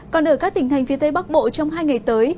còn ở các tỉnh thành phía tây bắc bộ trong hai ngày tới